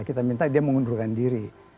kita minta dia mengundurkan diri